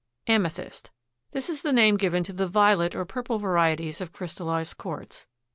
Amethyst.—This is the name given to the violet or purple varieties of crystallized quartz.